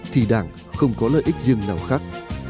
thì đảng không có lợi ích riêng nào khác